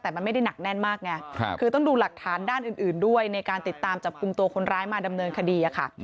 แต่มันไม่ได้หนักแน่นมากไงคือต้องดูหลักฐานด้านอื่นด้วยในการติดตามจับกลุ่มตัวคนร้ายมาดำเนินคดีค่ะ